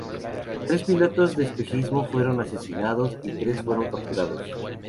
Tres pilotos de espejismo fueron asesinados y tres fueron capturados.